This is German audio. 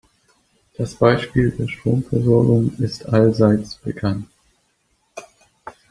Das Beispiel der Stromversorgung ist allseits bekannt.